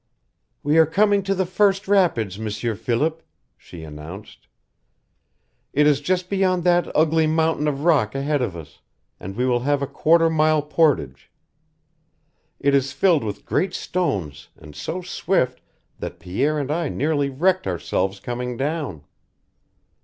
"We are coming to the first rapids, M'sieur Philip," she announced. "It is just beyond that ugly mountain of rock ahead of us, and we will have a quarter mile portage. It is filled with great stones and so swift that Pierre and I nearly wrecked ourselves coming down."